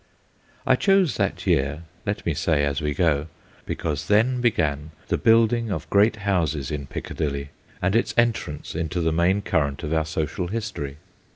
I choose that year (let me say as we go) because then began the building of great houses in Piccadilly, and its entrance into the main current of our social history.